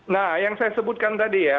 nah yang saya sebutkan tadi ya